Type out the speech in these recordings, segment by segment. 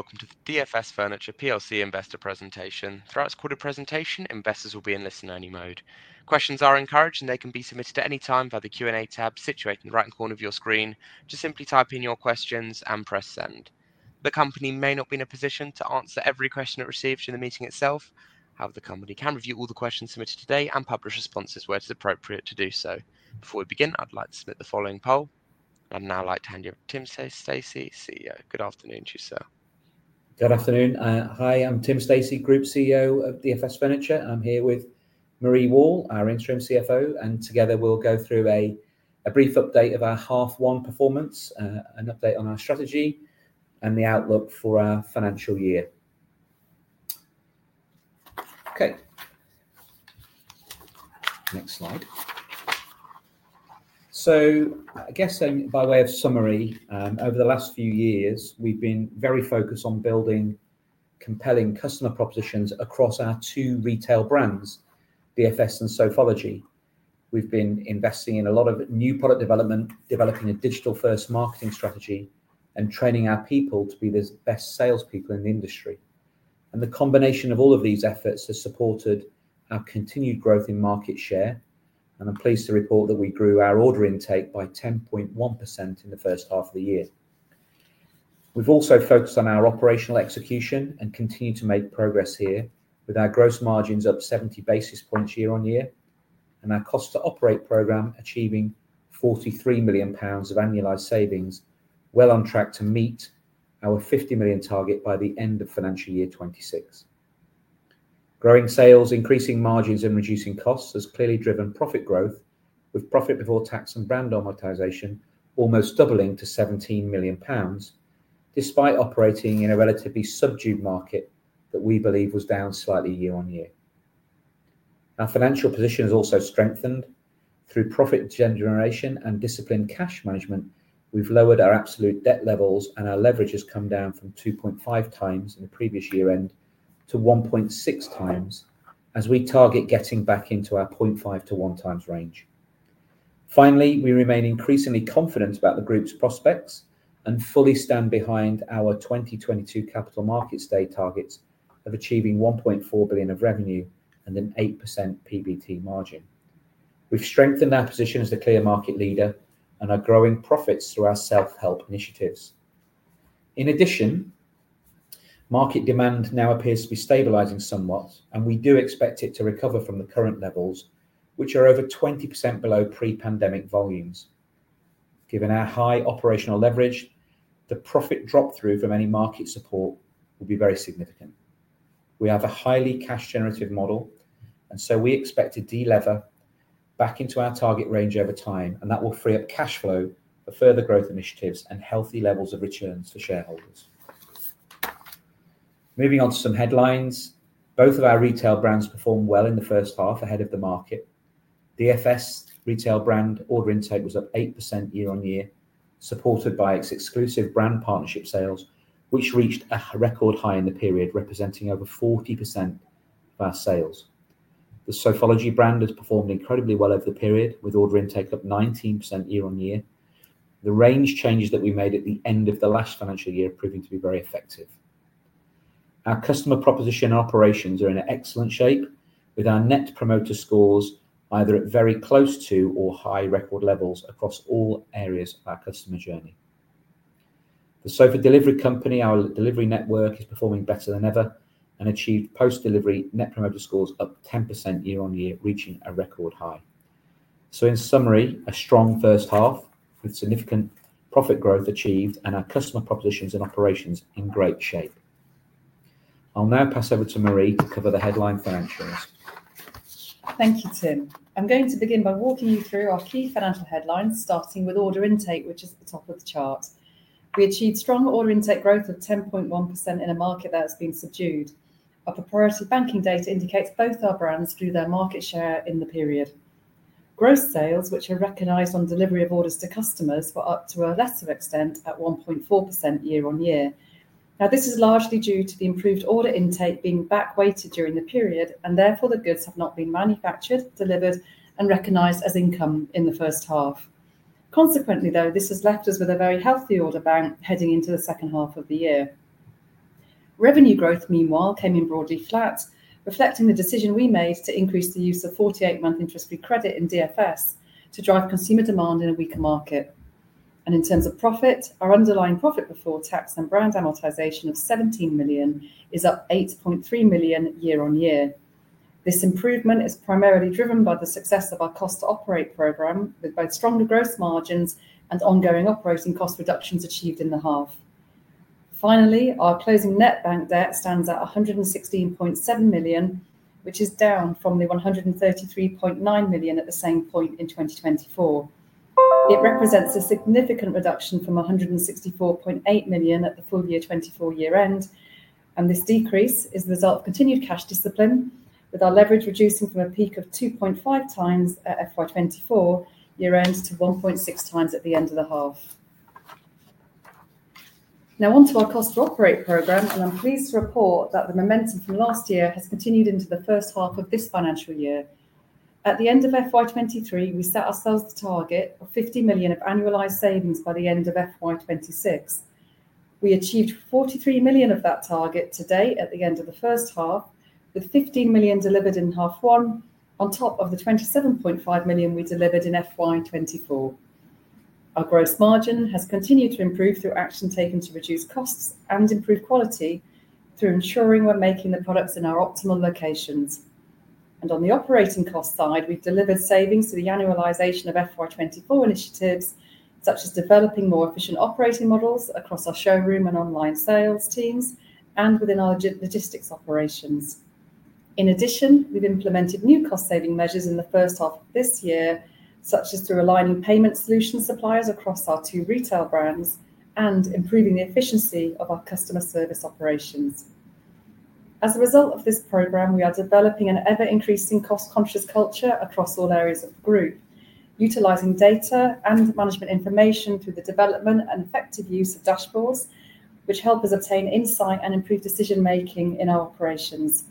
Welcome to the DFS Furniture PLC Investor Presentation. Throughout this recorded presentation, investors will be in listen-only mode. Questions are encouraged, and they can be submitted at any time via the Q&A tab situated in the right-hand corner of your screen. Just simply type in your questions and press send. The company may not be in a position to answer every question it receives during the meeting itself. However, the company can review all the questions submitted today and publish responses where it is appropriate to do so. Before we begin, I'd like to submit the following poll. I'd now like to hand you over to Tim Stacey, CEO. Good afternoon to you, sir. Good afternoon. Hi, I'm Tim Stacey, Group CEO of DFS Furniture. I'm here with Marie Wall, our Interim CFO, and together we'll go through a brief update of our half-one performance, an update on our strategy, and the outlook for our financial year. Next slide. I guess by way of summary, over the last few years, we've been very focused on building compelling customer propositions across our two retail brands, DFS and Sofology. We've been investing in a lot of new product development, developing a digital-first marketing strategy, and training our people to be the best salespeople in the industry. The combination of all of these efforts has supported our continued growth in market share, and I'm pleased to report that we grew our order intake by 10.1% in the first half of the year. We've also focused on our operational execution and continue to make progress here, with our gross margins up 70 basis points year on year, and our cost-to-operate program achieving 43 million pounds of annualized savings, well on track to meet our 50 million target by the end of financial year 2026. Growing sales, increasing margins, and reducing costs has clearly driven profit growth, with profit before tax and brand normalization almost doubling to 17 million pounds, despite operating in a relatively subdued market that we believe was down slightly year on year. Our financial position has also strengthened. Through profit generation and disciplined cash management, we've lowered our absolute debt levels, and our leverage has come down from 2.5 times in the previous year-end to 1.6 times as we target getting back into our 0.5-1 times range. Finally, we remain increasingly confident about the group's prospects and fully stand behind our 2022 Capital Markets Day targets of achieving 1.4 billion of revenue and an 8% PBT margin. We've strengthened our position as a clear market leader and are growing profits through our self-help initiatives. In addition, market demand now appears to be stabilizing somewhat, and we do expect it to recover from the current levels, which are over 20% below pre-pandemic volumes. Given our high operational leverage, the profit drop-through from any market support will be very significant. We have a highly cash-generative model, and so we expect to de-lever back into our target range over time, and that will free up cash flow for further growth initiatives and healthy levels of returns for shareholders. Moving on to some headlines, both of our retail brands performed well in the first half ahead of the market. DFS retail brand order intake was up 8% year on year, supported by its exclusive brand partnership sales, which reached a record high in the period, representing over 40% of our sales. The Sofology brand has performed incredibly well over the period, with order intake up 19% year on year. The range changes that we made at the end of the last financial year have proven to be very effective. Our customer proposition and operations are in excellent shape, with our Net Promoter Scores either at very close to or high record levels across all areas of our customer journey. The Sofa Delivery Company, our delivery network, is performing better than ever and achieved post-delivery Net Promoter Scores up 10% year on year, reaching a record high. In summary, a strong first half with significant profit growth achieved and our customer propositions and operations in great shape. I'll now pass over to Marie to cover the headline financials. Thank you, Tim. I'm going to begin by walking you through our key financial headlines, starting with order intake, which is at the top of the chart. We achieved strong order intake growth of 10.1% in a market that has been subdued. Our proprietary banking data indicates both our brands grew their market share in the period. Gross sales, which are recognized on delivery of orders to customers, were up to a lesser extent at 1.4% year on year. This is largely due to the improved order intake being back-weighted during the period, and therefore the goods have not been manufactured, delivered, and recognized as income in the first half. Consequently, though, this has left us with a very healthy order bank heading into the second half of the year. Revenue growth, meanwhile, came in broadly flat, reflecting the decision we made to increase the use of 48-month interest-free credit in DFS to drive consumer demand in a weaker market. In terms of profit, our underlying profit before tax and brand amortization of 17 million is up 8.3 million year on year. This improvement is primarily driven by the success of our cost-to-operate program, with both stronger gross margins and ongoing operating cost reductions achieved in the half. Finally, our closing net bank debt stands at 116.7 million, which is down from the 133.9 million at the same point in 2024. It represents a significant reduction from 164.8 million at the full year 2024 year-end, and this decrease is the result of continued cash discipline, with our leverage reducing from a peak of 2.5 times at FY 2024 year-end to 1.6 times at the end of the half. Now, onto our cost-to-operate program, and I'm pleased to report that the momentum from last year has continued into the first half of this financial year. At the end of FY 2023, we set ourselves the target of 50 million of annualized savings by the end of FY 2026. We achieved 43 million of that target to date at the end of the first half, with 15 million delivered in half one, on top of the 27.5 million we delivered in FY 2024. Our gross margin has continued to improve through action taken to reduce costs and improve quality through ensuring we're making the products in our optimal locations. On the operating cost side, we've delivered savings through the annualization of FY 2024 initiatives, such as developing more efficient operating models across our showroom and online sales teams and within our logistics operations. In addition, we've implemented new cost-saving measures in the first half of this year, such as through aligning payment solution suppliers across our two retail brands and improving the efficiency of our customer service operations. As a result of this program, we are developing an ever-increasing cost-conscious culture across all areas of the group, utilizing data and management information through the development and effective use of dashboards, which help us obtain insight and improve decision-making in our operations.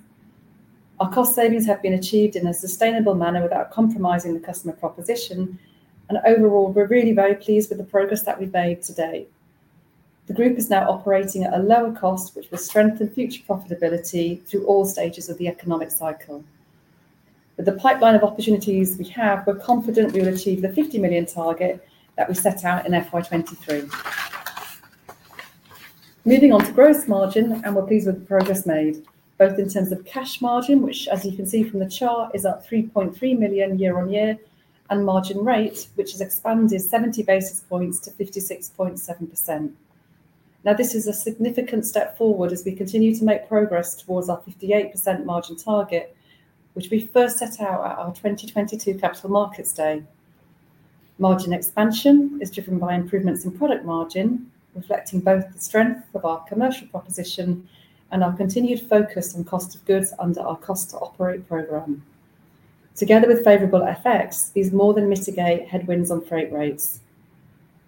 Our cost savings have been achieved in a sustainable manner without compromising the customer proposition, and overall, we're really very pleased with the progress that we've made to date. The group is now operating at a lower cost, which will strengthen future profitability through all stages of the economic cycle. With the pipeline of opportunities we have, we're confident we will achieve the 50 million target that we set out in fiscal year 2023. Moving on to gross margin, and we're pleased with the progress made, both in terms of cash margin, which, as you can see from the chart, is up 3.3 million year on year, and margin rate, which has expanded 70 basis points to 56.7%. Now, this is a significant step forward as we continue to make progress towards our 58% margin target, which we first set out at our 2022 Capital Markets Day. Margin expansion is driven by improvements in product margin, reflecting both the strength of our commercial proposition and our continued focus on cost of goods under our cost-to-operate program. Together with favorable effects, these more than mitigate headwinds on freight rates.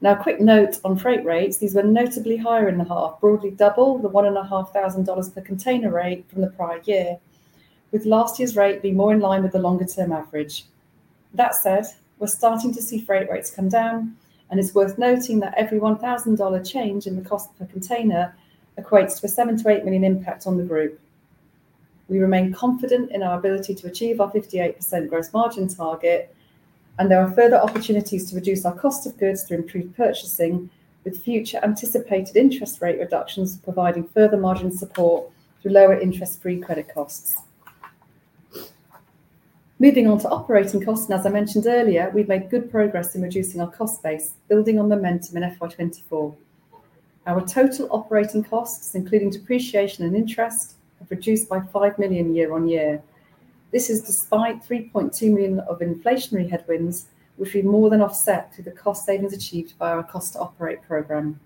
Now, a quick note on freight rates. These were notably higher in the half, broadly double the $1,500 per container rate from the prior year, with last year's rate being more in line with the longer-term average. That said, we're starting to see freight rates come down, and it's worth noting that every $1,000 change in the cost per container equates to 7 million-8 million impact on the group. We remain confident in our ability to achieve our 58% gross margin target, and there are further opportunities to reduce our cost of goods through improved purchasing, with future anticipated interest rate reductions providing further margin support through lower interest-free credit costs. Moving on to operating costs, and as I mentioned earlier, we've made good progress in reducing our cost base, building on momentum in FY 2024. Our total operating costs, including depreciation and interest, have reduced by 5 million year on year. This is despite 3.2 million of inflationary headwinds, which we've more than offset through the cost savings achieved by our cost-to-operate program.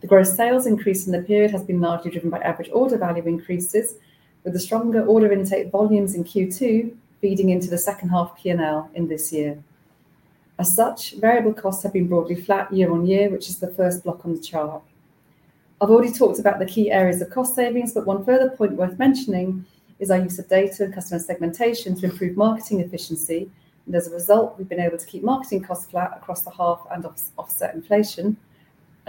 The gross sales increase in the period has been largely driven by average order value increases, with the stronger order intake volumes in Q2 feeding into the second half P&L in this year. As such, variable costs have been broadly flat year on year, which is the first block on the chart. I've already talked about the key areas of cost savings, but one further point worth mentioning is our use of data and customer segmentation to improve marketing efficiency. As a result, we've been able to keep marketing costs flat across the half and offset inflation.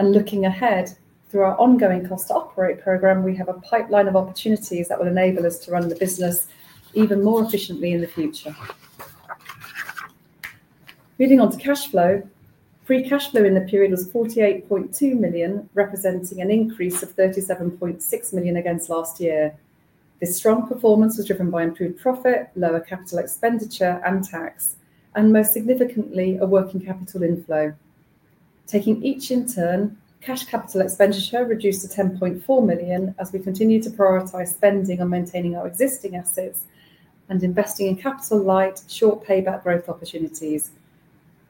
Looking ahead, through our ongoing cost-to-operate program, we have a pipeline of opportunities that will enable us to run the business even more efficiently in the future. Moving on to cash flow, free cash flow in the period was 48.2 million, representing an increase of 37.6 million against last year. This strong performance was driven by improved profit, lower capital expenditure and tax, and most significantly, a working capital inflow. Taking each in turn, cash capital expenditure reduced to 10.4 million as we continue to prioritize spending on maintaining our existing assets and investing in capital-light, short payback growth opportunities.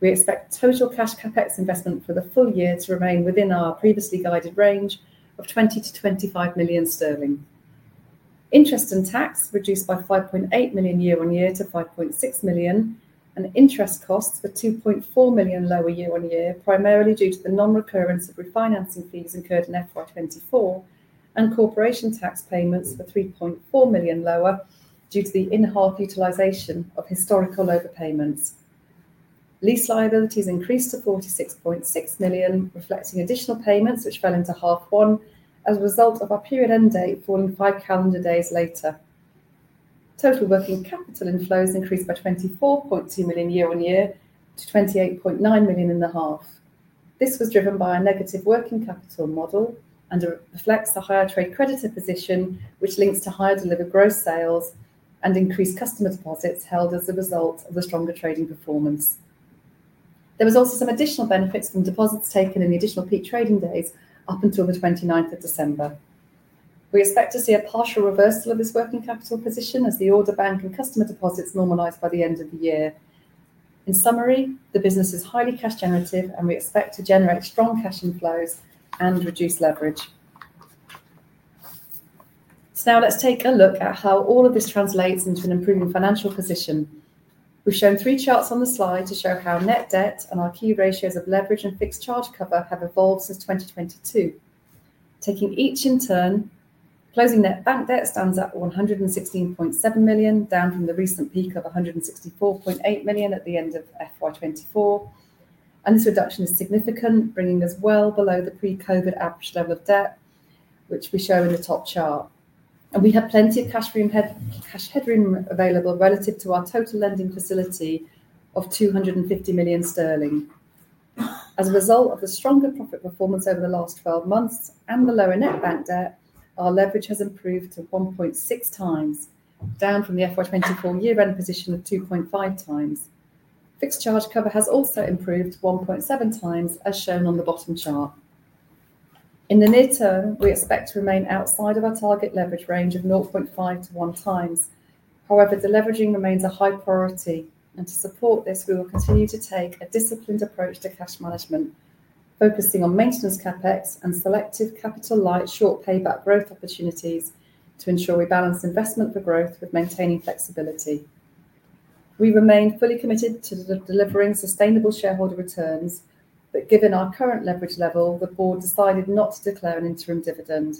We expect total cash CapEx investment for the full year to remain within our previously guided range of 20-25 million sterling. Interest and tax reduced by 5.8 million year-on-year to 5.6 million, and interest costs were 2.4 million lower year-on-year, primarily due to the non-recurrence of refinancing fees incurred in fiscal year 2024, and corporation tax payments were 3.4 million lower due to the in-half utilization of historical overpayments. Lease liabilities increased to 46.6 million, reflecting additional payments which fell into half one as a result of our period end date falling five calendar days later. Total working capital inflows increased by 24.2 million year-on-year to 28.9 million in the half. This was driven by a negative working capital model and reflects the higher trade creditor position, which links to higher delivered gross sales and increased customer deposits held as a result of the stronger trading performance. There were also some additional benefits from deposits taken in the additional peak trading days up until the 29th of December. We expect to see a partial reversal of this working capital position as the order bank and customer deposits normalize by the end of the year. In summary, the business is highly cash-generative, and we expect to generate strong cash inflows and reduce leverage. Let's take a look at how all of this translates into an improving financial position. We've shown three charts on the slide to show how net debt and our key ratios of leverage and fixed charge cover have evolved since 2022. Taking each in turn, closing net bank debt stands at 116.7 million, down from the recent peak of 164.8 million at the end of fiscal year 2024. This reduction is significant, bringing us well below the pre-COVID average level of debt, which we show in the top chart. We have plenty of cash headroom available relative to our total lending facility of 250 million sterling. As a result of the stronger profit performance over the last 12 months and the lower net bank debt, our leverage has improved to 1.6 times, down from the fiscal year 2024 year-end position of 2.5 times. Fixed charge cover has also improved to 1.7 times, as shown on the bottom chart. In the near term, we expect to remain outside of our target leverage range of 0.5-1 times. However, deleveraging remains a high priority, and to support this, we will continue to take a disciplined approach to cash management, focusing on maintenance CapEx and selective capital-light short payback growth opportunities to ensure we balance investment for growth with maintaining flexibility. We remain fully committed to delivering sustainable shareholder returns, but given our current leverage level, the board decided not to declare an interim dividend.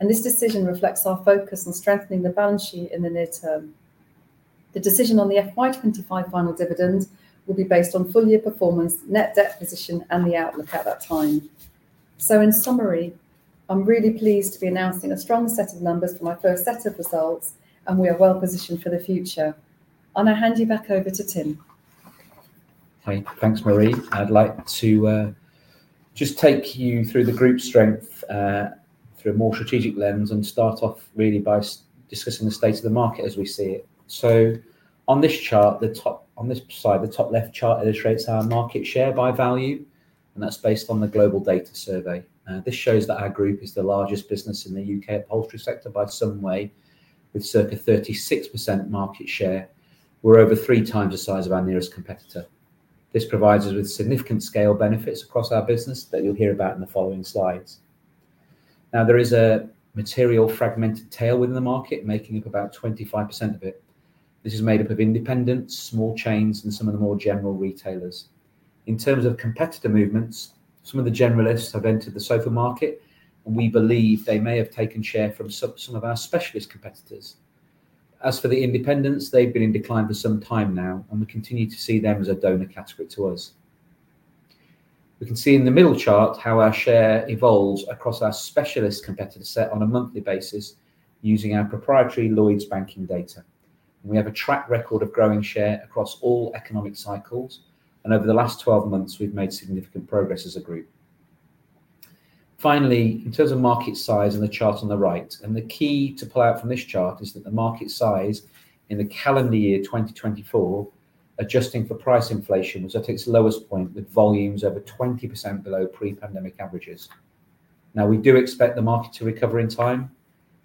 This decision reflects our focus on strengthening the balance sheet in the near term. The decision on the fiscal year 2025 final dividend will be based on full year performance, net debt position, and the outlook at that time. In summary, I'm really pleased to be announcing a strong set of numbers for my first set of results, and we are well positioned for the future. I'll now hand you back over to Tim. Thanks, Marie. I'd like to just take you through the group strength through a more strategic lens and start off really by discussing the state of the market as we see it. On this chart, the top on this side, the top left chart illustrates our market share by value, and that's based on the GlobalData survey. This shows that our group is the largest business in the U.K. upholstery sector by some way, with circa 36% market share. We're over three times the size of our nearest competitor. This provides us with significant scale benefits across our business that you'll hear about in the following slides. There is a material fragmented tail within the market, making up about 25% of it. This is made up of independents, small chains, and some of the more general retailers. In terms of competitor movements, some of the generalists have entered the sofa market, and we believe they may have taken share from some of our specialist competitors. As for the independents, they've been in decline for some time now, and we continue to see them as a donor category to us. We can see in the middle chart how our share evolves across our specialist competitor set on a monthly basis using our proprietary Lloyds banking data. We have a track record of growing share across all economic cycles, and over the last 12 months, we've made significant progress as a group. Finally, in terms of market size and the chart on the right, the key to pull out from this chart is that the market size in the calendar year 2024, adjusting for price inflation, was at its lowest point, with volumes over 20% below pre-pandemic averages. Now, we do expect the market to recover in time.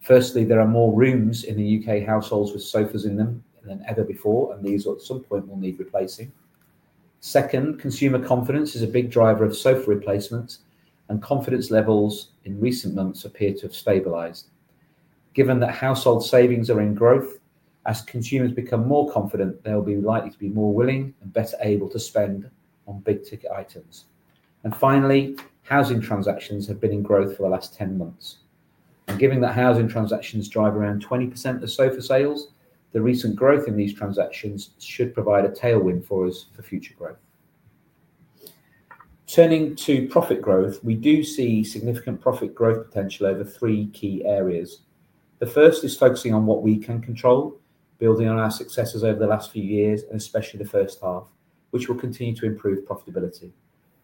Firstly, there are more rooms in U.K. households with sofas in them than ever before, and these at some point will need replacing. Second, consumer confidence is a big driver of sofa replacement, and confidence levels in recent months appear to have stabilized. Given that household savings are in growth, as consumers become more confident, they'll be likely to be more willing and better able to spend on big ticket items. Finally, housing transactions have been in growth for the last 10 months. Given that housing transactions drive around 20% of sofa sales, the recent growth in these transactions should provide a tailwind for us for future growth. Turning to profit growth, we do see significant profit growth potential over three key areas. The first is focusing on what we can control, building on our successes over the last few years, and especially the first half, which will continue to improve profitability.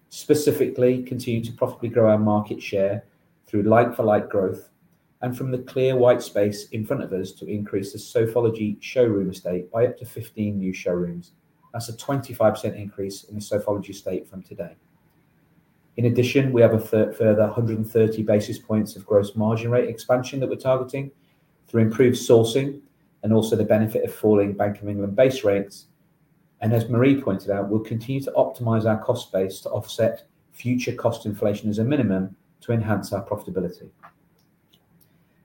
Specifically, continue to profitably grow our market share through like-for-like growth and from the clear white space in front of us to increase the Sofology showroom estate by up to 15 new showrooms. That is a 25% increase in the Sofology estate from today. In addition, we have a further 130 basis points of gross margin rate expansion that we are targeting through improved sourcing and also the benefit of falling Bank of England base rates. As Marie pointed out, we will continue to optimize our cost base to offset future cost inflation as a minimum to enhance our profitability.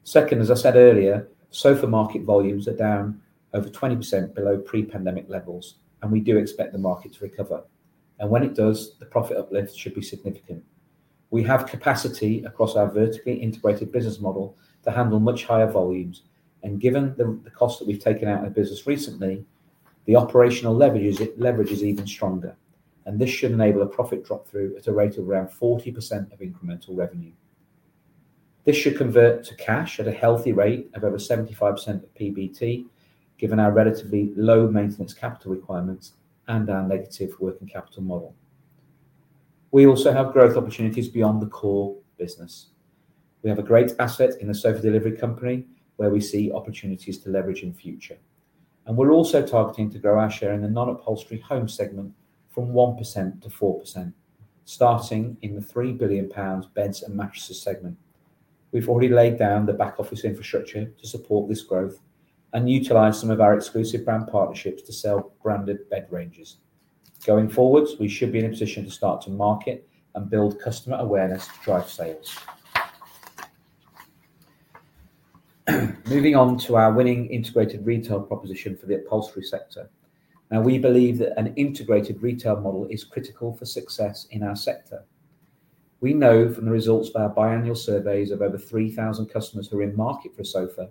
Second, as I said earlier, sofa market volumes are down over 20% below pre-pandemic levels, and we do expect the market to recover. When it does, the profit uplift should be significant. We have capacity across our vertically integrated business model to handle much higher volumes. Given the cost that we've taken out of business recently, the operational leverage is even stronger. This should enable a profit drop through at a rate of around 40% of incremental revenue. This should convert to cash at a healthy rate of over 75% of PBT, given our relatively low maintenance capital requirements and our negative working capital model. We also have growth opportunities beyond the core business. We have a great asset in the Sofa Delivery Company where we see opportunities to leverage in future. We are also targeting to grow our share in the non-upholstery home segment from 1% to 4%, starting in the 3 billion pounds beds and mattresses segment. We've already laid down the back office infrastructure to support this growth and utilize some of our exclusive brand partnerships to sell branded bed ranges. Going forwards, we should be in a position to start to market and build customer awareness to drive sales. Moving on to our winning integrated retail proposition for the upholstery sector. We believe that an integrated retail model is critical for success in our sector. We know from the results of our biannual surveys of over 3,000 customers who are in market for a sofa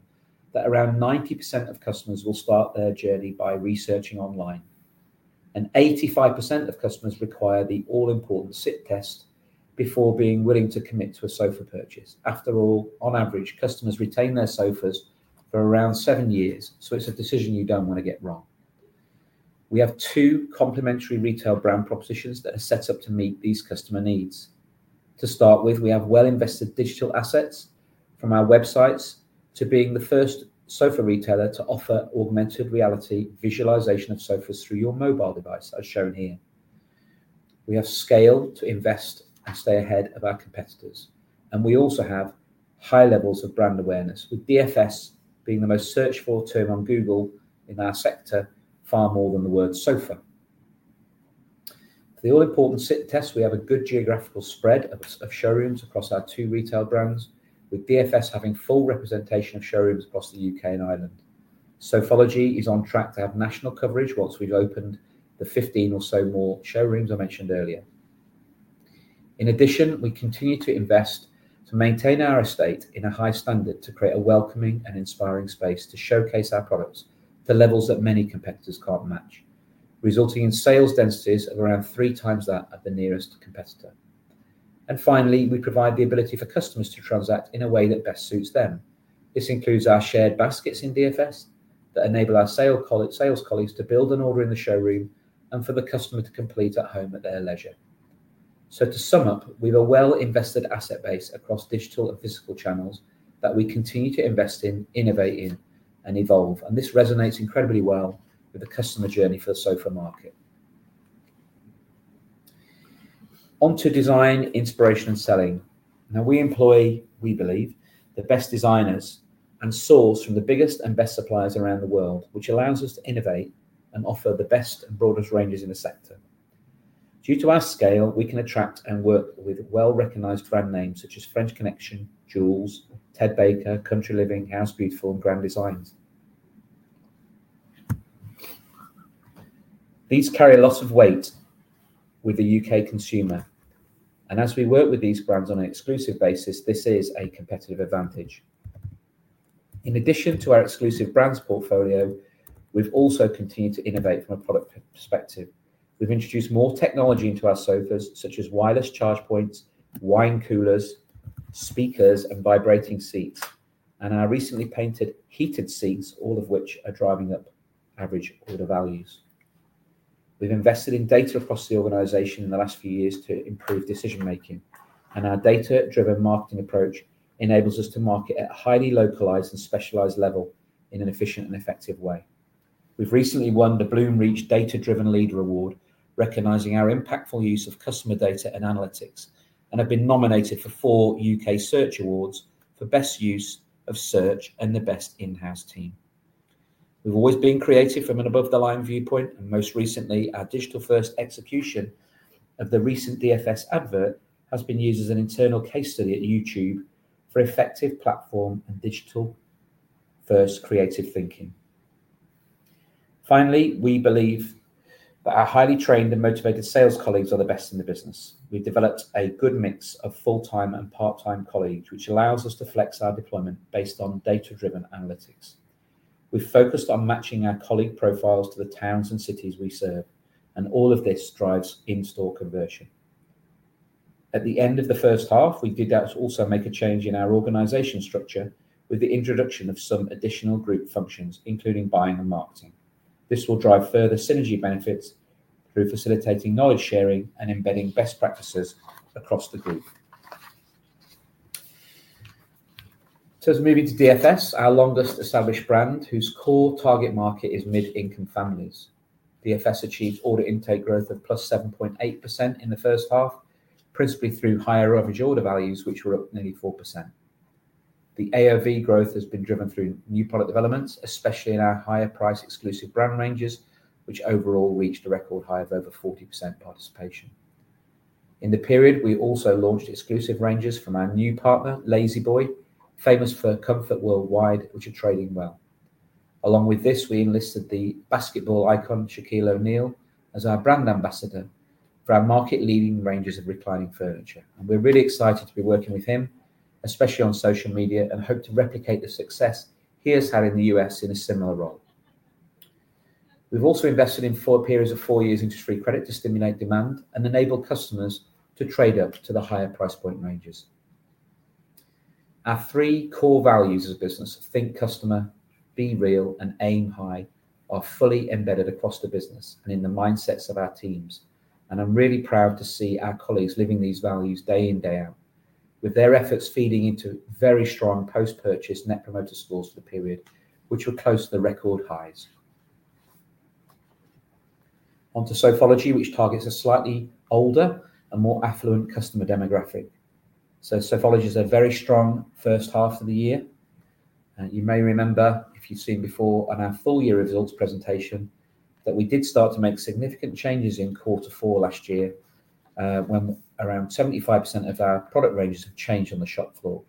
that around 90% of customers will start their journey by researching online. 85% of customers require the all-important sit test before being willing to commit to a sofa purchase. After all, on average, customers retain their sofas for around seven years, so it's a decision you don't want to get wrong. We have two complementary retail brand propositions that are set up to meet these customer needs. To start with, we have well-invested digital assets from our websites to being the first sofa retailer to offer augmented reality visualization of sofas through your mobile device, as shown here. We have scale to invest and stay ahead of our competitors. We also have high levels of brand awareness, with DFS being the most searched for term on Google in our sector far more than the word sofa. For the all-important sit test, we have a good geographical spread of showrooms across our two retail brands, with DFS having full representation of showrooms across the U.K. and Ireland. Sofology is on track to have national coverage once we've opened the 15 or so more showrooms I mentioned earlier. In addition, we continue to invest to maintain our estate in a high standard to create a welcoming and inspiring space to showcase our products to levels that many competitors cannot match, resulting in sales densities of around three times that of the nearest competitor. Finally, we provide the ability for customers to transact in a way that best suits them. This includes our shared baskets in DFS that enable our sales colleagues to build an order in the showroom and for the customer to complete at home at their leisure. To sum up, we have a well-invested asset base across digital and physical channels that we continue to invest in, innovate in, and evolve. This resonates incredibly well with the customer journey for the sofa market. On to design, inspiration, and selling. Now, we employ, we believe, the best designers and source from the biggest and best suppliers around the world, which allows us to innovate and offer the best and broadest ranges in the sector. Due to our scale, we can attract and work with well-recognized brand names such as French Connection, Joules, Ted Baker, Country Living, House Beautiful, and Grand Designs. These carry a lot of weight with the U.K. consumer. As we work with these brands on an exclusive basis, this is a competitive advantage. In addition to our exclusive brands portfolio, we've also continued to innovate from a product perspective. We've introduced more technology into our sofas, such as wireless charge points, wine coolers, speakers, and vibrating seats, and our recently patented heated seats, all of which are driving up average order values. We've invested in data across the organization in the last few years to improve decision-making. Our data-driven marketing approach enables us to market at a highly localized and specialized level in an efficient and effective way. We've recently won the Bloomreach Data-Driven Leader Award, recognizing our impactful use of customer data and analytics, and have been nominated for four U.K. Search Awards for best use of search and the best in-house team. We've always been creative from an above-the-line viewpoint, and most recently, our digital-first execution of the recent DFS advert has been used as an internal case study at YouTube for effective platform and digital-first creative thinking. Finally, we believe that our highly trained and motivated sales colleagues are the best in the business. We've developed a good mix of full-time and part-time colleagues, which allows us to flex our deployment based on data-driven analytics. We've focused on matching our colleague profiles to the towns and cities we serve, and all of this drives in-store conversion. At the end of the first half, we did also make a change in our organization structure with the introduction of some additional group functions, including buying and marketing. This will drive further synergy benefits through facilitating knowledge sharing and embedding best practices across the group. As we move into DFS, our longest established brand, whose core target market is mid-income families, DFS achieved order intake growth of +7.8% in the first half, principally through higher average order values, which were up nearly 4%. The AOV growth has been driven through new product developments, especially in our higher-priced exclusive brand ranges, which overall reached a record high of over 40% participation. In the period, we also launched exclusive ranges from our new partner, La-Z-Boy, famous for comfort worldwide, which are trading well. Along with this, we enlisted the basketball icon, Shaquille O'Neal, as our brand ambassador for our market-leading ranges of reclining furniture. We are really excited to be working with him, especially on social media, and hope to replicate the success he has had in the U.S. in a similar role. We have also invested in four periods of four years into free credit to stimulate demand and enable customers to trade up to the higher price point ranges. Our three core values as a business of think customer, be real, and aim high are fully embedded across the business and in the mindsets of our teams. I'm really proud to see our colleagues living these values day in, day out, with their efforts feeding into very strong post-purchase Net Promoter Scores for the period, which were close to the record highs. On to Sofology, which targets a slightly older and more affluent customer demographic. Sofology is a very strong first half of the year. You may remember, if you've seen before on our full year results presentation, that we did start to make significant changes in quarter four last year when around 75% of our product ranges have changed on the shop floor.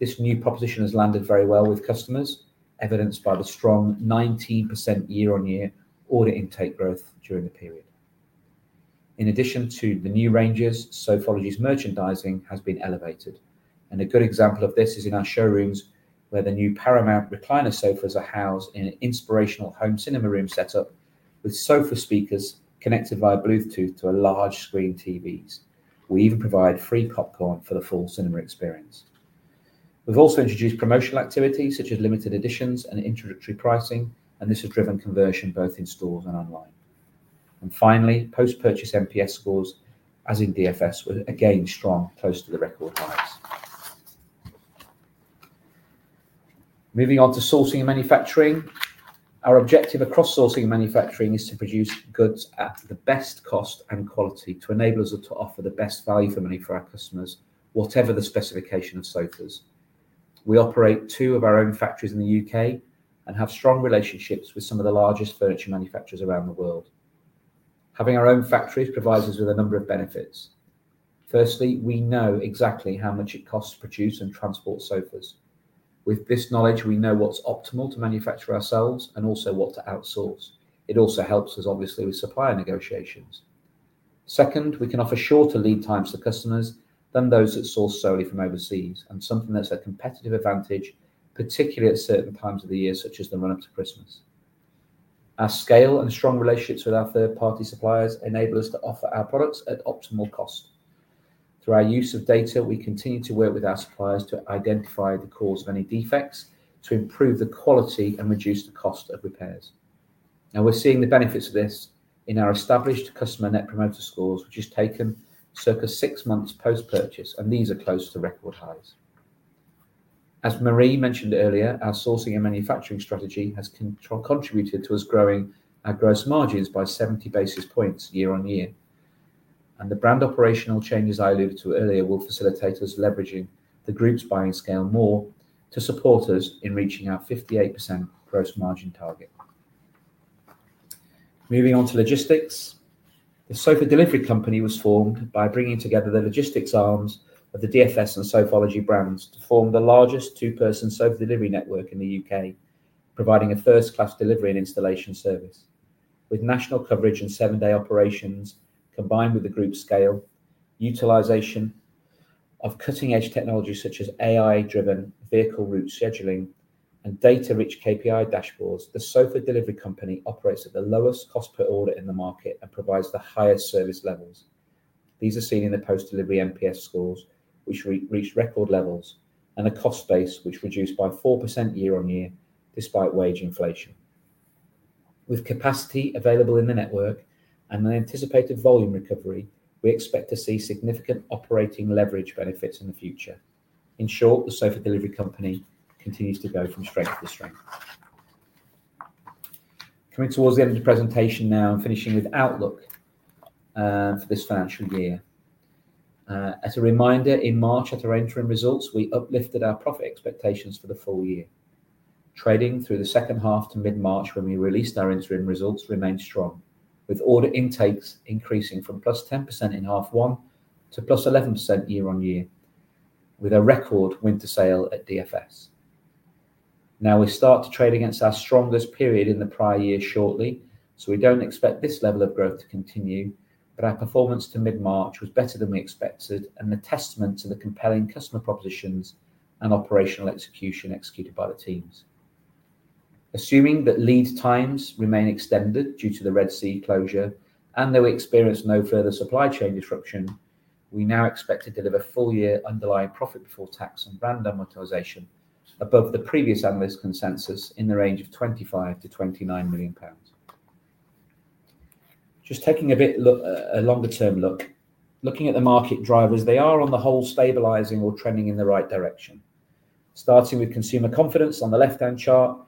This new proposition has landed very well with customers, evidenced by the strong 19% year-on-year order intake growth during the period. In addition to the new ranges, Sofology's merchandising has been elevated. A good example of this is in our showrooms where the new Paramount recliner sofas are housed in an inspirational home cinema room setup with sofa speakers connected via Bluetooth to large screen TVs. We even provide free popcorn for the full cinema experience. We have also introduced promotional activities such as limited editions and introductory pricing, and this has driven conversion both in stores and online. Finally, post-purchase NPS scores, as in DFS, were again strong, close to the record highs. Moving on to sourcing and manufacturing, our objective across sourcing and manufacturing is to produce goods at the best cost and quality to enable us to offer the best value for money for our customers, whatever the specification of sofas. We operate two of our own factories in the U.K. and have strong relationships with some of the largest furniture manufacturers around the world. Having our own factories provides us with a number of benefits. Firstly, we know exactly how much it costs to produce and transport sofas. With this knowledge, we know what's optimal to manufacture ourselves and also what to outsource. It also helps us, obviously, with supplier negotiations. Second, we can offer shorter lead times for customers than those that source solely from overseas, and something that's a competitive advantage, particularly at certain times of the year, such as the run-up to Christmas. Our scale and strong relationships with our third-party suppliers enable us to offer our products at optimal cost. Through our use of data, we continue to work with our suppliers to identify the cause of any defects to improve the quality and reduce the cost of repairs. Now, we're seeing the benefits of this in our established customer Net Promoter Scores, which has taken circa six months post-purchase, and these are close to record highs. As Marie Wall mentioned earlier, our sourcing and manufacturing strategy has contributed to us growing our gross margins by 70 basis points year-on-year. The brand operational changes I alluded to earlier will facilitate us leveraging the group's buying scale more to support us in reaching our 58% gross margin target. Moving on to logistics, the Sofa Delivery Company was formed by bringing together the logistics arms of the DFS and Sofology brands to form the largest two-person sofa delivery network in the U.K., providing a first-class delivery and installation service. With national coverage and seven-day operations combined with the group's scale, utilization of cutting-edge technology such as AI-driven vehicle route scheduling and data-rich KPI dashboards, the Sofa Delivery Company operates at the lowest cost per order in the market and provides the highest service levels. These are seen in the post-delivery NPS scores, which reached record levels, and the cost base, which reduced by 4% year-on-year despite wage inflation. With capacity available in the network and the anticipated volume recovery, we expect to see significant operating leverage benefits in the future. In short, the Sofa Delivery Company continues to go from strength to strength. Coming towards the end of the presentation now, I'm finishing with outlook for this financial year. As a reminder, in March at our interim results, we uplifted our profit expectations for the full year. Trading through the second half to mid-March, when we released our interim results, remained strong, with order intakes increasing from +10% in half one to +11% year-on-year, with a record winter sale at DFS. Now, we start to trade against our strongest period in the prior year shortly, so we do not expect this level of growth to continue, but our performance to mid-March was better than we expected and a testament to the compelling customer propositions and operational execution executed by the teams. Assuming that lead times remain extended due to the Red Sea closure and that we experience no further supply chain disruption, we now expect to deliver full-year underlying profit before tax and brand amortization above the previous analyst consensus in the range of 25 million-29 million pounds. Just taking a longer-term look, looking at the market drivers, they are on the whole stabilizing or trending in the right direction. Starting with consumer confidence on the left-hand chart,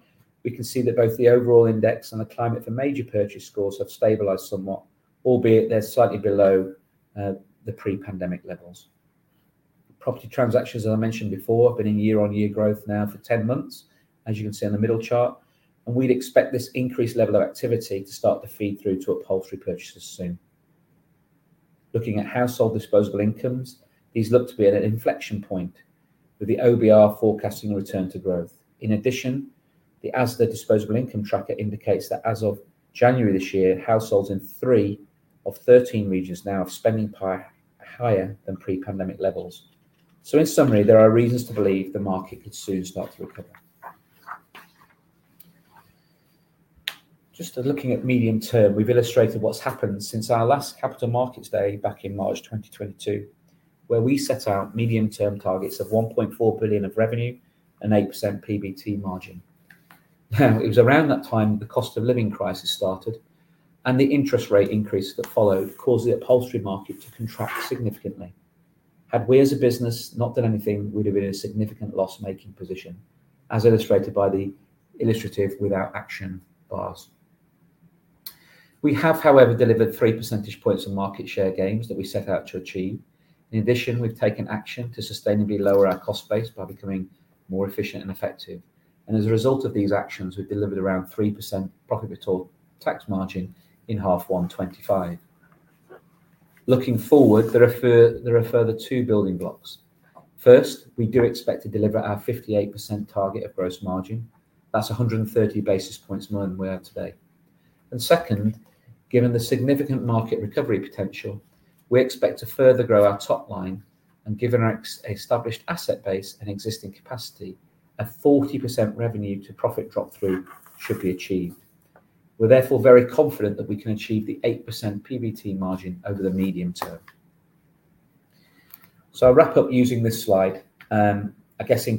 we can see that both the overall index and the climate for major purchase scores have stabilized somewhat, albeit they're slightly below the pre-pandemic levels. Property transactions, as I mentioned before, have been in year-on-year growth now for 10 months, as you can see on the middle chart, and we'd expect this increased level of activity to start to feed through to upholstery purchases soon. Looking at household disposable incomes, these look to be at an inflection point, with the OBR forecasting a return to growth. In addition, the ASDA disposable income tracker indicates that as of January this year, households in three of 13 regions now are spending higher than pre-pandemic levels. In summary, there are reasons to believe the market could soon start to recover. Just looking at medium term, we have illustrated what has happened since our last Capital Markets Day back in March 2022, where we set out medium-term targets of 1.4 billion of revenue and 8% PBT margin. Now, it was around that time the cost of living crisis started, and the interest rate increase that followed caused the upholstery market to contract significantly. Had we as a business not done anything, we would have been in a significant loss-making position, as illustrated by the illustrative without action bars. We have, however, delivered three percentage points of market share gains that we set out to achieve. In addition, we have taken action to sustainably lower our cost base by becoming more efficient and effective. As a result of these actions, we've delivered around 3% profit-to-total tax margin in half one 2025. Looking forward, there are further two building blocks. First, we do expect to deliver our 58% target of gross margin. That's 130 basis points more than we are today. Second, given the significant market recovery potential, we expect to further grow our top line, and given our established asset base and existing capacity, a 40% revenue-to-profit drop-through should be achieved. We are therefore very confident that we can achieve the 8% PBT margin over the medium term. I'll wrap up using this slide. I guess in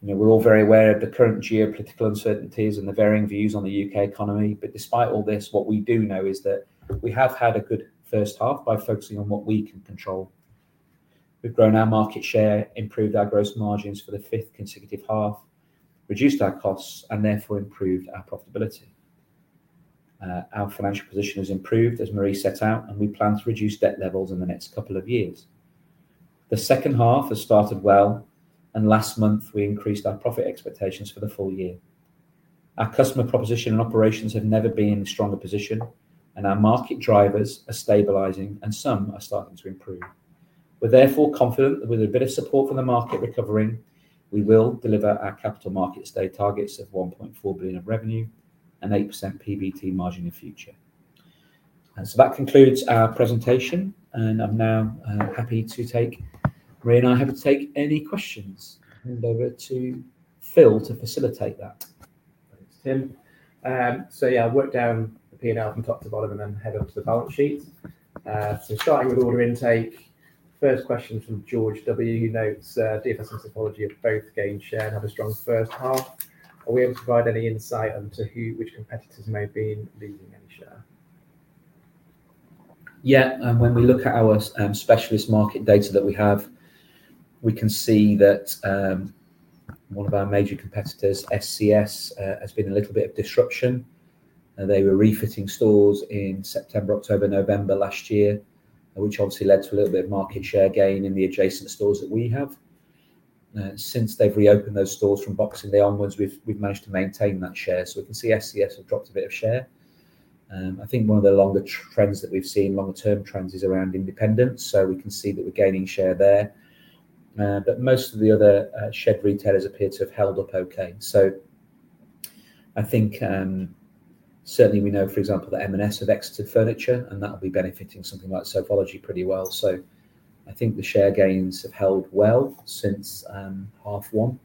conclusion, we're all very aware of the current geopolitical uncertainties and the varying views on the U.K. economy, but despite all this, what we do know is that we have had a good first half by focusing on what we can control. We've grown our market share, improved our gross margins for the fifth consecutive half, reduced our costs, and therefore improved our profitability. Our financial position has improved, as Marie Wall set out, and we plan to reduce debt levels in the next couple of years. The second half has started well, and last month, we increased our profit expectations for the full year. Our customer proposition and operations have never been in a stronger position, and our market drivers are stabilizing, and some are starting to improve. We're therefore confident that with a bit of support from the market recovering, we will deliver our Capital Markets Day targets of 1.4 billion of revenue and 8% PBT margin in future. That concludes our presentation, and I'm now happy to take Marie and I have to take any questions and hand over to Phil to facilitate that. Thanks, Tim. Yeah, I've worked down the P&L from top to bottom and then head on to the balance sheet. Starting with order intake, first question from George W. He notes DFS and Sofology have both gained share and have a strong first half. Are we able to provide any insight into which competitors may be losing any share? Yeah, when we look at our specialist market data that we have, we can see that one of our major competitors, ScS, has been a little bit of disruption. They were refitting stores in September, October, November last year, which obviously led to a little bit of market share gain in the adjacent stores that we have. Since they've reopened those stores from Boxing Day onwards, we've managed to maintain that share. We can see ScS have dropped a bit of share. I think one of the longer trends that we've seen, longer-term trends, is around independence, so we can see that we're gaining share there. Most of the other shed retailers appear to have held up okay. I think certainly we know, for example, that Marks & Spencer have exited furniture, and that will be benefiting something like Sofology pretty well. I think the share gains have held well since half one.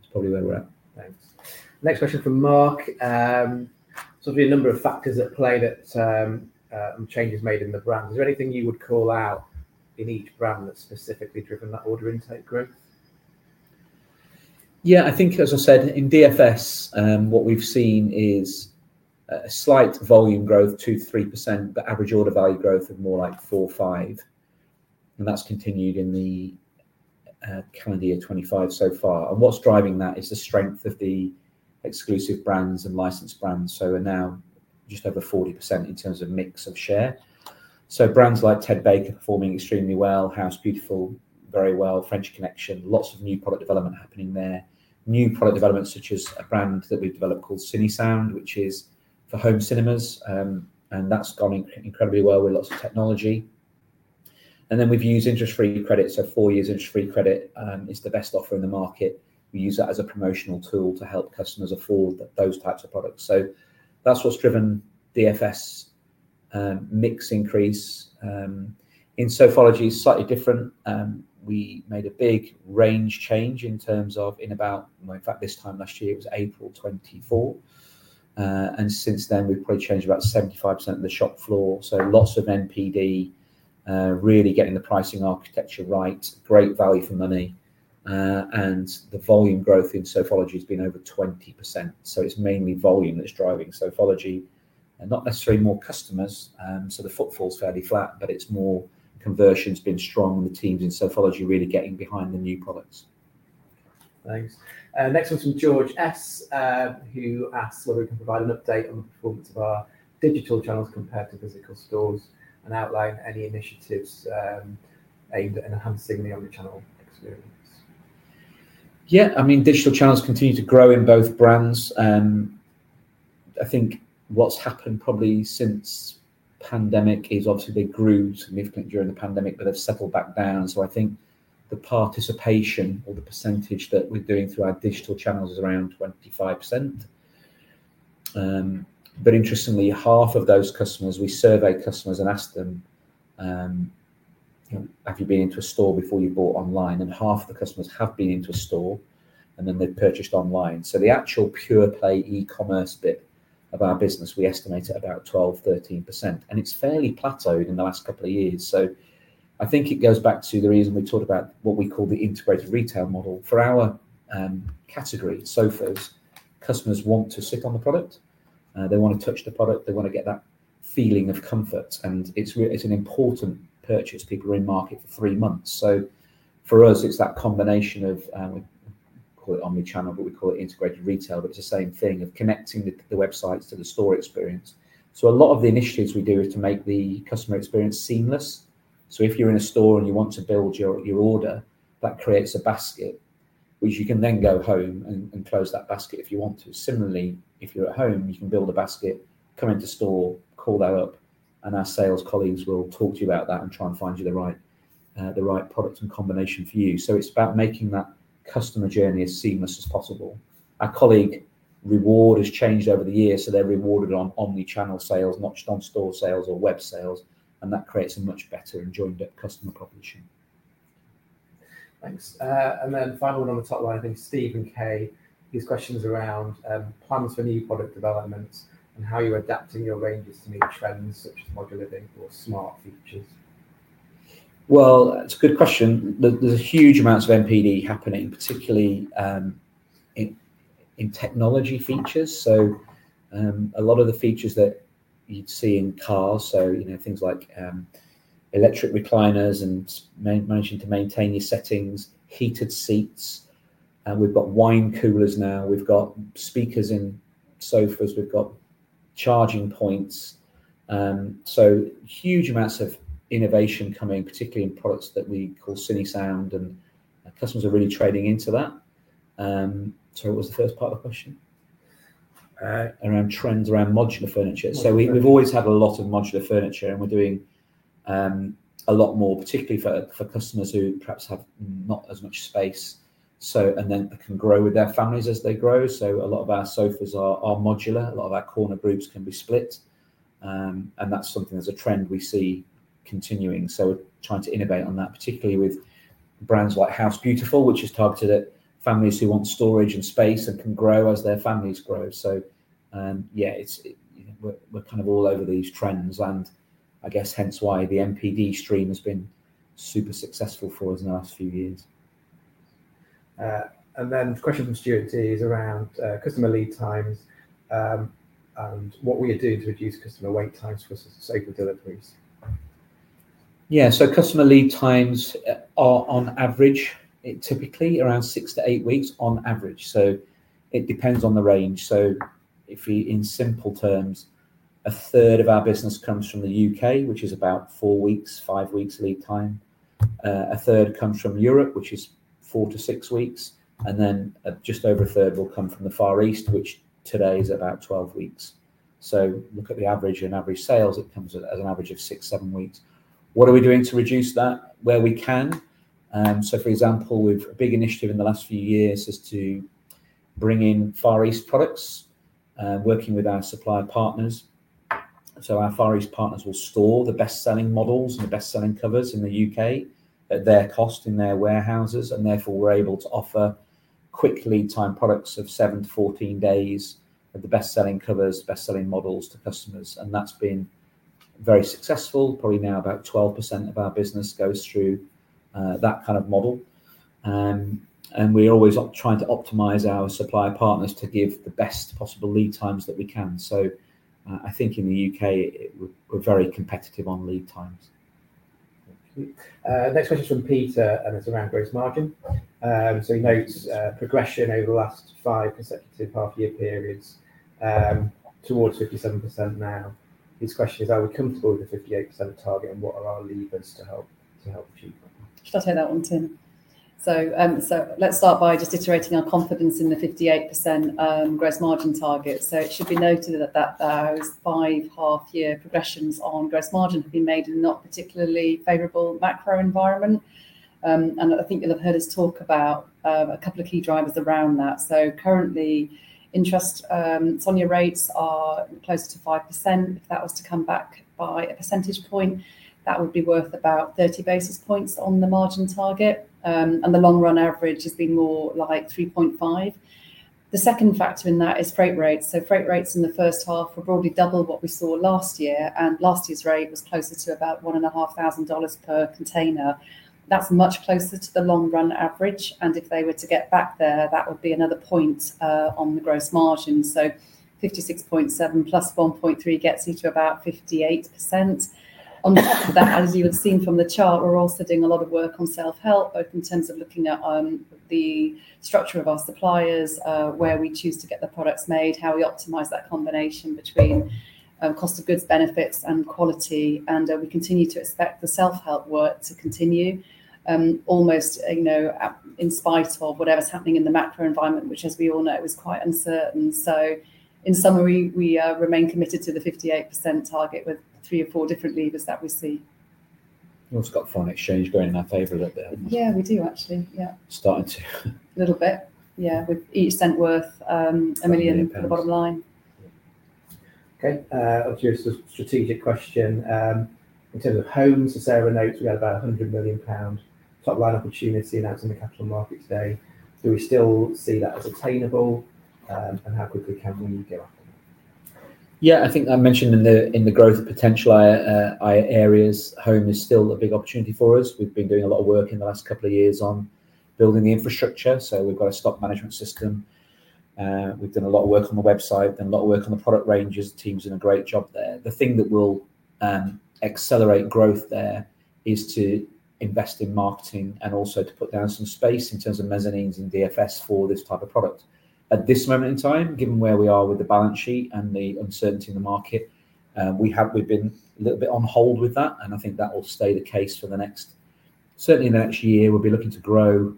That's probably where we're at. Thanks. Next question from Mark. There'll be a number of factors at play that changes made in the brand. Is there anything you would call out in each brand that's specifically driven that order intake growth? I think, as I said, in DFS, what we've seen is a slight volume growth, 2-3%, but average order value growth of more like 4-5%. That has continued in the calendar year 2025 so far. What is driving that is the strength of the exclusive brands and licensed brands. We are now just over 40% in terms of mix of share. Brands like Ted Baker are performing extremely well, House Beautiful very well, French Connection, lots of new product development happening there. New product development such as a brand that we have developed called Cinesound, which is for home cinemas, and that has gone incredibly well with lots of technology. We have used interest-free credit. Four years interest-free credit is the best offer in the market. We use that as a promotional tool to help customers afford those types of products. That is what has driven DFS mix increase. In Sofology, slightly different. We made a big range change in about, in fact, this time last year, it was April 2024. Since then, we've probably changed about 75% of the shop floor. Lots of NPD, really getting the pricing architecture right, great value for money. The volume growth in Sofology has been over 20%. It's mainly volume that's driving Sofology, not necessarily more customers. The footfall's fairly flat, but conversion's been strong and the teams in Sofology really getting behind the new products. Thanks. Next one's from George S., who asks whether we can provide an update on the performance of our digital channels compared to physical stores and outline any initiatives aimed at enhancing the omnichannel experience. I mean, digital channels continue to grow in both brands. I think what's happened probably since pandemic is obviously they grew significantly during the pandemic, but they've settled back down. I think the participation or the percentage that we're doing through our digital channels is around 25%. Interestingly, half of those customers, we survey customers and ask them, "Have you been into a store before you bought online?" Half of the customers have been into a store, and then they've purchased online. The actual pure play e-commerce bit of our business, we estimate at about 12-13%. It's fairly plateaued in the last couple of years. I think it goes back to the reason we talked about what we call the integrated retail model. For our category, sofas, customers want to sit on the product. They want to touch the product. They want to get that feeling of comfort. It's an important purchase. People are in market for three months. For us, it's that combination of, we call it omnichannel, but we call it integrated retail, but it's the same thing of connecting the websites to the store experience. A lot of the initiatives we do is to make the customer experience seamless. If you're in a store and you want to build your order, that creates a basket, which you can then go home and close that basket if you want to. Similarly, if you're at home, you can build a basket, come into store, call that up, and our sales colleagues will talk to you about that and try and find you the right product and combination for you. It's about making that customer journey as seamless as possible. Our colleague reward has changed over the year, so they're rewarded on omnichannel sales, not just on store sales or web sales, and that creates a much better and joined-up customer proposition. Thanks. The final one on the top line, I think, Steve and Kay, his question is around plans for new product developments and how you're adapting your ranges to new trends such as modern living or smart features. It is a good question. There's a huge amount of NPD happening, particularly in technology features. A lot of the features that you'd see in cars, things like electric recliners and managing to maintain your settings, heated seats. We've got wine coolers now. We've got speakers in sofas. We've got charging points. Huge amounts of innovation coming, particularly in products that we call Cinesound, and customers are really trading into that. Sorry, what was the first part of the question? Around trends around modular furniture. We've always had a lot of modular furniture, and we're doing a lot more, particularly for customers who perhaps have not as much space, and then can grow with their families as they grow. A lot of our sofas are modular. A lot of our corner groups can be split. That's something that's a trend we see continuing. We're trying to innovate on that, particularly with brands like House Beautiful, which is targeted at families who want storage and space and can grow as their families grow. Yeah, we're kind of all over these trends, and I guess hence why the NPD stream has been super successful for us in the last few years. The question from Stewart is around customer lead times and what we are doing to reduce customer wait times for sofa deliveries. Yeah, customer lead times are on average, typically around six to eight weeks on average. It depends on the range. If in simple terms, a third of our business comes from the U.K., which is about four weeks, five weeks lead time. A third comes from Europe, which is four to six weeks. Just over a third will come from the Far East, which today is about 12 weeks. Look at the average and average sales. It comes as an average of six, seven weeks. What are we doing to reduce that where we can? For example, we have a big initiative in the last few years to bring in Far East products, working with our supplier partners. Our Far East partners will store the best-selling models and the best-selling covers in the U.K. at their cost in their warehouses, and therefore we're able to offer quick lead-time products of 7-14 days of the best-selling covers, best-selling models to customers. That's been very successful. Probably now about 12% of our business goes through that kind of model. We're always trying to optimize our supplier partners to give the best possible lead times that we can. I think in the U.K., we're very competitive on lead times. Next question is from Peter, and it's around gross margin. He notes progression over the last five consecutive half-year periods towards 57% now. His question is, are we comfortable with the 58% target, and what are our levers to help achieve that? Should I take that one, Tim? Let's start by just iterating our confidence in the 58% gross margin target. It should be noted that those five half-year progressions on gross margin have been made in a not particularly favorable macro environment. I think you'll have heard us talk about a couple of key drivers around that. Currently, interest SONIA rates are closer to 5%. If that was to come back by a percentage point, that would be worth about 30 basis points on the margin target. The long-run average has been more like 3.5%. The second factor in that is freight rates. Freight rates in the first half were broadly double what we saw last year, and last year's rate was closer to about $1,500 per container. That's much closer to the long-run average. If they were to get back there, that would be another point on the gross margin. 56.7 plus 1.3 gets you to about 58%. On top of that, as you have seen from the chart, we are also doing a lot of work on self-help, both in terms of looking at the structure of our suppliers, where we choose to get the products made, how we optimize that combination between cost of goods, benefits, and quality. We continue to expect the self-help work to continue almost in spite of whatever is happening in the macro environment, which, as we all know, is quite uncertain. In summary, we remain committed to the 58% target with three or four different levers that we see. We have also got foreign exchange going in our favor a little bit. Yeah, we do, actually. Yeah. Starting to. A little bit. Yeah, with each cent worth a million at the bottom line. Okay. I'll do a strategic question. In terms of homes, as Sarah notes, we had about 100 million pounds top-line opportunity announced in the Capital Markets Day. Do we still see that as attainable, and how quickly can we go after that? Yeah, I think I mentioned in the growth potential areas, home is still a big opportunity for us. We've been doing a lot of work in the last couple of years on building the infrastructure. So we've got a stock management system. We've done a lot of work on the website, done a lot of work on the product ranges. The team's done a great job there. The thing that will accelerate growth there is to invest in marketing and also to put down some space in terms of mezzanines and DFS for this type of product. At this moment in time, given where we are with the balance sheet and the uncertainty in the market, we've been a little bit on hold with that, and I think that will stay the case for the next, certainly in the next year. We'll be looking to grow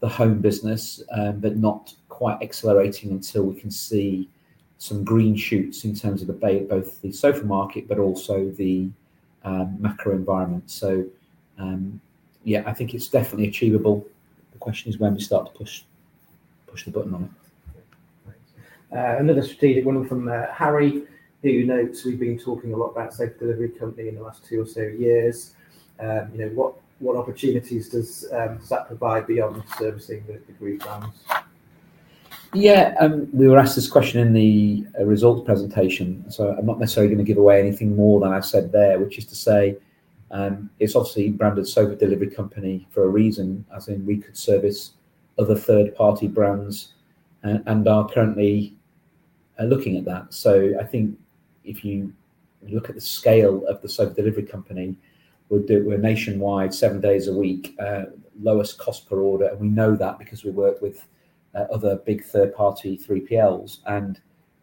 the home business, but not quite accelerating until we can see some green shoots in terms of both the sofa market, but also the macro environment. Yeah, I think it's definitely achievable. The question is when we start to push the button on it. Another strategic one from Harry, who notes we've been talking a lot about Sofa Delivery Company in the last two or so years. What opportunities does that provide beyond servicing the group brands? Yeah, we were asked this question in the results presentation. I'm not necessarily going to give away anything more than I said there, which is to say it's obviously branded Sofa Delivery Company for a reason. As in, we could service other third-party brands and are currently looking at that. I think if you look at the scale of the Sofa Delivery Company, we're nationwide, seven days a week, lowest cost per order. We know that because we work with other big third-party 3PLs.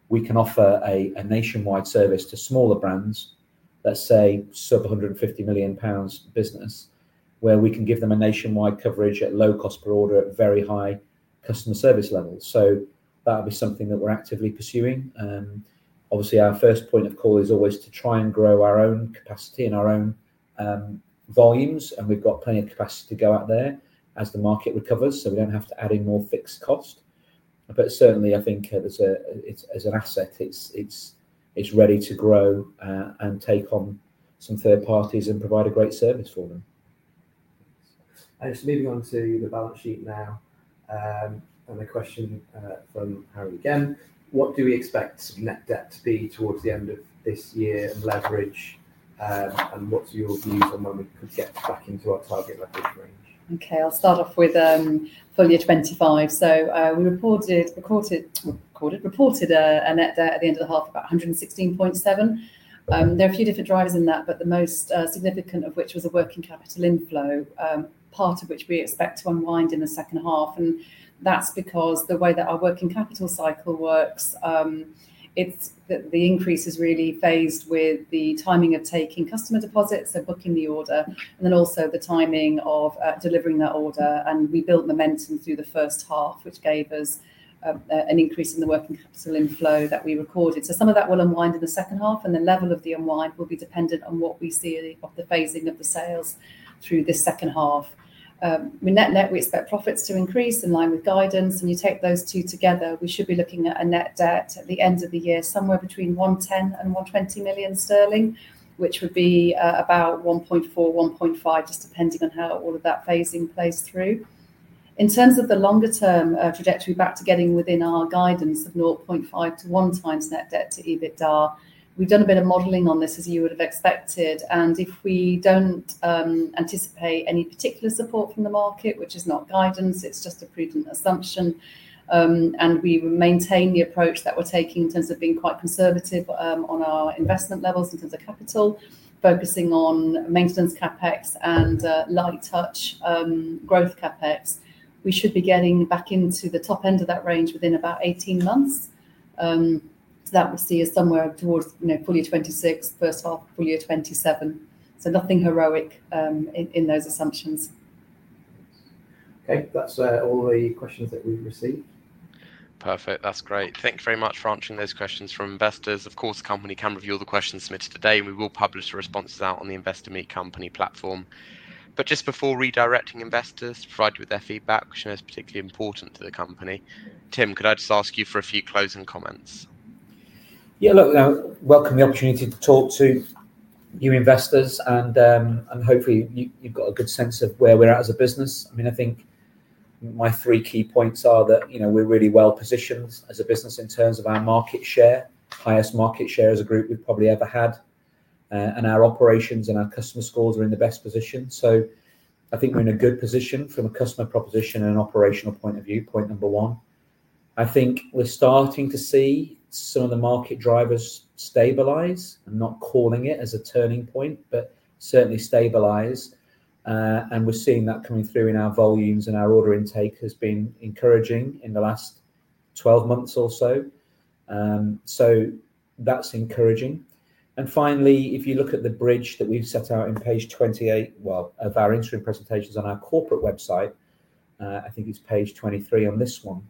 We can offer a nationwide service to smaller brands that say sub 150 million pounds business, where we can give them a nationwide coverage at low cost per order at very high customer service levels. That would be something that we're actively pursuing. Obviously, our first point of call is always to try and grow our own capacity and our own volumes. We have plenty of capacity to go out there as the market recovers, so we do not have to add in more fixed cost. Certainly, I think as an asset, it is ready to grow and take on some third parties and provide a great service for them. Moving on to the balance sheet now, and a question from Harry again. What do we expect net debt to be towards the end of this year and leverage, and what are your views on when we could get back into our target leverage range? I will start off with Full year 25. We recorded a net debt at the end of the half, about 116.7 million. There are a few different drivers in that, but the most significant of which was a working capital inflow, part of which we expect to unwind in the second half. That is because the way that our working capital cycle works, the increase is really phased with the timing of taking customer deposits, so booking the order, and then also the timing of delivering that order. We built momentum through the first half, which gave us an increase in the working capital inflow that we recorded. Some of that will unwind in the second half, and the level of the unwind will be dependent on what we see of the phasing of the sales through this second half. Net net, we expect profits to increase in line with guidance. You take those two together, we should be looking at a net debt at the end of the year somewhere between 110 million and 120 million sterling, which would be about 1.4-1.5, just depending on how all of that phasing plays through. In terms of the longer-term trajectory back to getting within our guidance of 0.5-1 times net debt to EBITDA, we've done a bit of modeling on this, as you would have expected. If we don't anticipate any particular support from the market, which is not guidance, it's just a prudent assumption, and we maintain the approach that we're taking in terms of being quite conservative on our investment levels in terms of capital, focusing on maintenance CapEx and light touch growth CapEx, we should be getting back into the top end of that range within about 18 months. That will see us somewhere towards fiscal year 2026, first half of fiscal year 2027. Nothing heroic in those assumptions. Okay, that's all the questions that we've received. Perfect. That's great. Thank you very much for answering those questions from investors. Of course, the company can review all the questions submitted today, and we will publish the responses out on the Investor Meet Company platform. Just before redirecting investors to provide you with their feedback, which I know is particularly important to the company, Tim, could I just ask you for a few closing comments? Yeah, look, welcome the opportunity to talk to you investors, and hopefully, you've got a good sense of where we're at as a business. I mean, I think my three key points are that we're really well positioned as a business in terms of our market share, highest market share as a group we've probably ever had, and our operations and our customer scores are in the best position. I think we're in a good position from a customer proposition and an operational point of view, point number one. I think we're starting to see some of the market drivers stabilize. I'm not calling it as a turning point, but certainly stabilize. We're seeing that coming through in our volumes, and our order intake has been encouraging in the last 12 months or so. That's encouraging. Finally, if you look at the bridge that we've set out in page 28 of our interim presentations on our corporate website, I think it's page 23 on this one,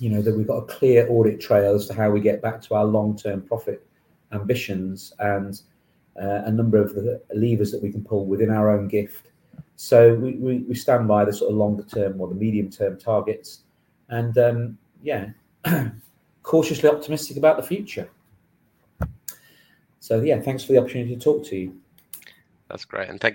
we've got a clear audit trail as to how we get back to our long-term profit ambitions and a number of the levers that we can pull within our own gift. We stand by the sort of longer-term or the medium-term targets. Yeah, cautiously optimistic about the future. Yeah, thanks for the opportunity to talk to you. That's great.